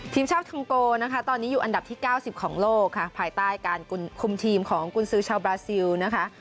ทีมชาติทองโกนะคะตอนนี้อยู่อันดับที่๙๐ของโลกค่ะภายใต้การคุมทีมของกุญสือชาวบราซิลนะคะ